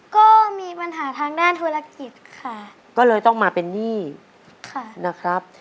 ก็มีปัญหาทางด้านธุรกิจค่ะก็เลยต้องมาเป็นหนี้ค่ะนะครับ